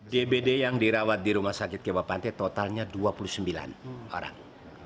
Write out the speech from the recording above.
dbd yang dirawat di rumah sakit kewapante totalnya dua puluh sembilan orang